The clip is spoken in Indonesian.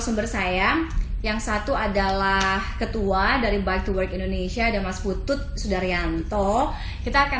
sumber saya yang satu adalah ketua dari bike to work indonesia dan mas putut sudaryanto kita akan